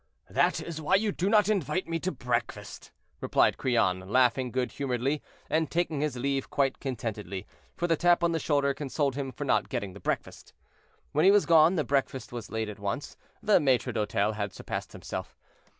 "That is why you do not invite me to breakfast," replied Crillon, laughing good humoredly, and taking his leave quite contentedly, for the tap on the shoulder consoled him for not getting the breakfast. When he was gone, the breakfast was laid at once. The maitre d'hotel had surpassed himself.